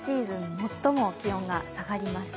最も気温が下がりました。